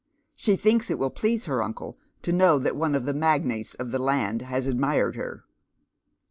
She thinks it will please her imcle to know that one of tlie magnates of the land has admired her.